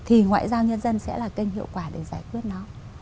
thì ngoại giao nhân dân sẽ là kênh hiệu quả để giải quyết nó